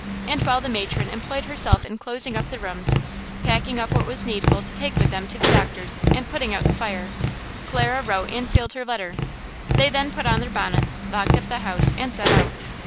And while the matron employed herself in closing up the rooms, packing up what was needful to take with them to the doctor's and putting out the fire, Clara wrote and sealed her letter. They then put on their bonnets, locked up the house, and set out.